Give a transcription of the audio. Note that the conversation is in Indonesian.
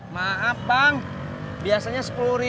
maaf bang biasanya sepuluh